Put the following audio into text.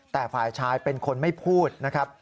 แต่ฝ่ายชายเป็นคนไม่พูดนะครับ